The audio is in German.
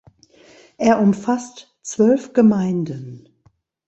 Er umfasst zwölf Gemeinden.